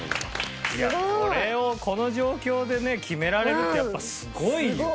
これをこの状況でね決められるってやっぱりすごいよ。